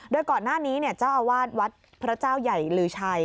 โดยก่อนหน้านี้เจ้าอาวาสวัดพระเจ้าใหญ่ลือชัย